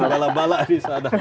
balak balak di sana